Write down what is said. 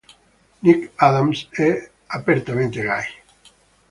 Nick Adams è apertamente gay.